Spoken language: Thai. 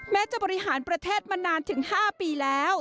จะบริหารประเทศมานานถึง๕ปีแล้ว